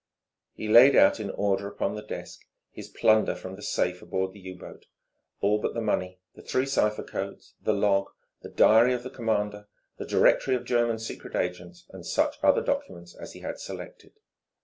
He laid out in order upon the desk his plunder from the safe aboard the U boat all but the money the three cipher codes, the log, the diary of the commander, the directory of German secret agents, and such other documents as he had selected.